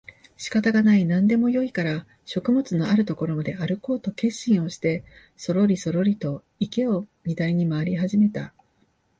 仕方がない、何でもよいから食物のある所まであるこうと決心をしてそろりそろりと池を左に廻り始めた